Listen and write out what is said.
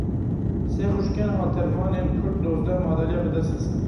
Sê xuşkên haltervan ên Kurd dozdeh madalya bi dest xistin.